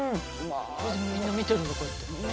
みんな見てるんだこうやって。